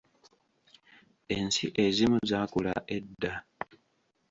Ensi ezimu zaakula edda!